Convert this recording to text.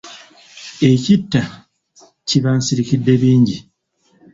Ekita kiba nsirikiddebingi.